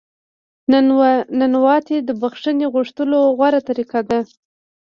نانواتې د بخښنې غوښتلو غوره طریقه ده.